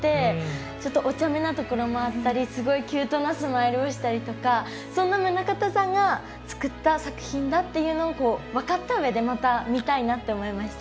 ちょっとおちゃめなところもあったりすごいキュートなスマイルをしたりとかそんな棟方さんが作った作品だっていうのを分かった上でまた見たいなって思いました。